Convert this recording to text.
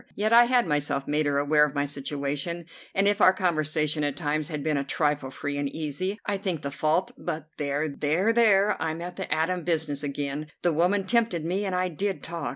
Yet I had myself made her aware of my situation, and if our conversation at times had been a trifle free and easy I think the fault but there there there I'm at the Adam business again. The woman tempted me, and I did talk.